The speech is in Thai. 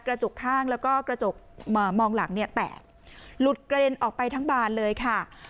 กระจกข้างแล้วก็กระจกมองหลังเนี่ยแตกหลุดกระเด็นออกไปทั้งบานเลยค่ะ